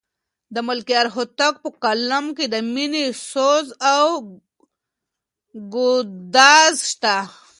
د ملکیار هوتک په کلام کې د مینې سوز او ګداز شته.